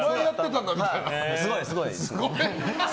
すごい、すごい。